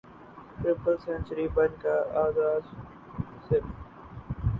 triple century بن کا اعزاز صرف